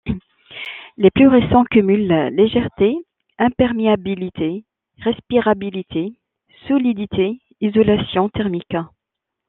Les plus récents cumulent légèreté, imperméabilité, respirabilité, solidité, isolation thermique.